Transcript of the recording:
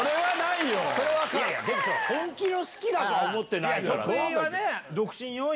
いやいや本気の好きだとは思ってないからさ。